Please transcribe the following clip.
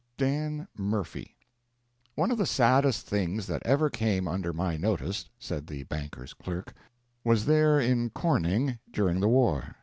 DAN MURPHY One of the saddest things that ever came under my notice (said the banker's clerk) was there in Corning, during the war.